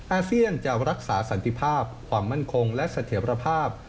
อาเซียนจะรักษาสันติภาพความมั่นคงและเสถียรภาพ